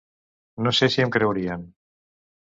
No sé si em creurien.